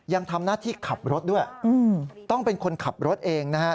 ยังทำหน้าที่ขับรถด้วยต้องเป็นคนขับรถเองนะฮะ